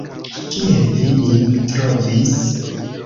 Kiel vi nin trovis?